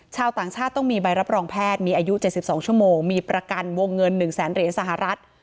ชาวต่างชาติต้องมีใบรับรองแพทย์มีอายุ๗๒ชั่วโมงมีประกันวงเงิน๑แสนเหรียญสหรัฐ